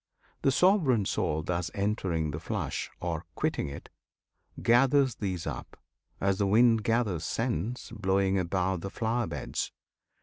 The Sovereign Soul Thus entering the flesh, or quitting it, Gathers these up, as the wind gathers scents, Blowing above the flower beds.